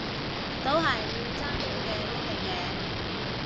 都係要爭取嘅一樣嘢